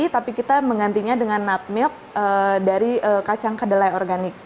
tapi kita menggantinya dengan nudmilk dari kacang kedelai organik